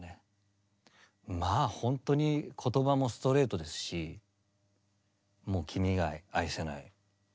まあほんとに言葉もストレートですし「もう君以外愛せない」。